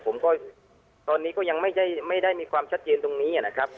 ผมก็ตอนนี้ก็ยังไม่ได้มีความชัดเจนตรงนี้นะครับ